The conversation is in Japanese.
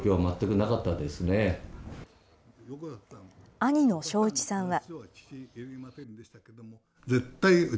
兄の昭一さんは。